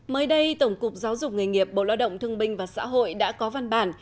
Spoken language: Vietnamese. mới đây tổng cục giáo dục nghề nghiệp bộ lo động thương binh và xã hội đã có văn bản